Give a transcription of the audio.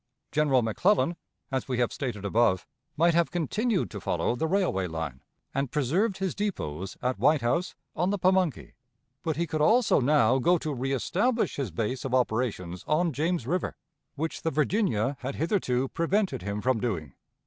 ... General McClellan, as we have stated above, might have continued to follow the railway line, and preserved his depots at Whitehouse, on the Pamunkey, ... but he could also now go to reestablish his base of operations on James River, which the Virginia had hitherto prevented him from doing.